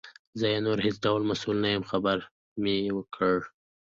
زه یې نور هیڅ ډول مسؤل نه یم خبر مي کړې.